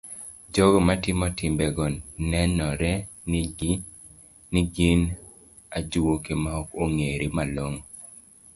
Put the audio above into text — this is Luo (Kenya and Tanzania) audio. Jogo matimo timbego nenore ni gin ajuoke maok ong'ere malong'o.